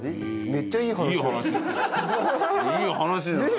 いい話だよね。